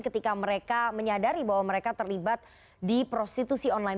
ketika mereka menyadari bahwa mereka terlibat di prostitusi online